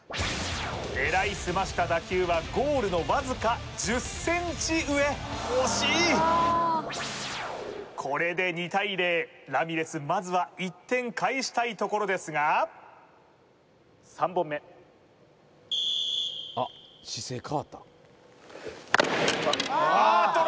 狙いすました打球はゴールのわずか１０ｃｍ上惜しいこれで２対０ラミレスまずは１点返したいところですが３本目あっと